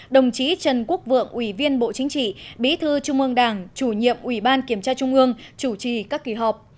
đồng chí trần quốc vượng ủy viên bộ chính trị bí thư trung ương đảng chủ nhiệm ủy ban kiểm tra trung ương chủ trì các kỳ họp